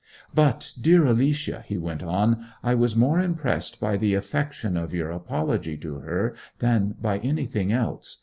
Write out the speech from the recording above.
'But, dear Alicia,' he went on, 'I was more impressed by the affection of your apology to her than by anything else.